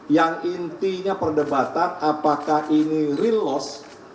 yang intinya perdebatan apakah ini real loss